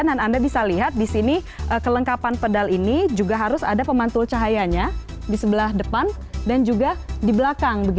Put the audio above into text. dan anda bisa lihat di sini kelengkapan pedal ini juga harus ada pemantul cahayanya di sebelah depan dan juga di belakang